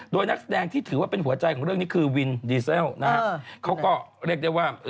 โดยนักแสดงที่ถือว่าเป็นหัวใจของเรื่องนี้คือวินดีเซลนะฮะเขาก็เรียกได้ว่า